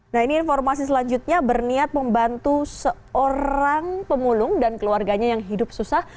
nah ini informasi selanjutnya berniat membantu seorang pemulung dan keluarganya yang hidup susah